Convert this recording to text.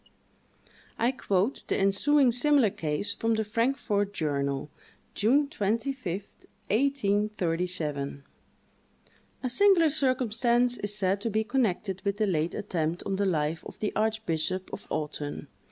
I quote the ensuing similar case from the "Frankfort Journal," June 25, 1837: "A singular circumstance is said to be connected with the late attempt on the life of the archbishop of Autun.